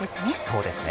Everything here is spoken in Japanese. そうですね。